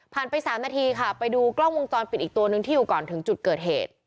ไป๓นาทีค่ะไปดูกล้องวงจรปิดอีกตัวนึงที่อยู่ก่อนถึงจุดเกิดเหตุ